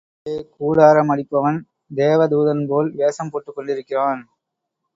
அதிலே, கூடார மடிப்பவன், தேவ தூதன்போல் வேஷம் போட்டுக் கொண்டிருக்கிறான்.